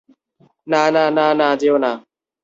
না, না, না, না, যেওনা!